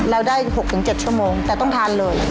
เราได้๖๗ชั่วโมงแต่ต้องทานเลย